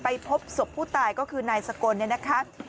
พบศพผู้ตายก็คือนายสกลเนี่ยนะคะ